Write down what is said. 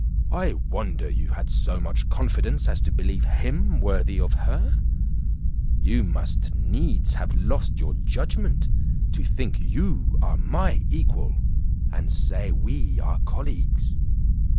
I wonder you had so much confidence as to believe him worthy of her; you must needs have lost your judgment to think you are my equal, and say we are colleagues.